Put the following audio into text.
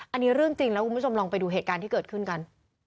อันนี้เรื่องจริงแล้วคุณผู้ชมลองไปดูเหตุการณ์ที่เกิดขึ้นกัน